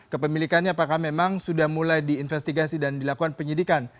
kepemilikannya apakah memang sudah mulai diinvestigasi dan dilakukan penyidikan